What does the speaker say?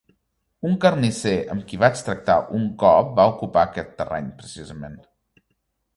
Un carnisser amb qui vaig tractar un cop va ocupar aquest terreny, precisament.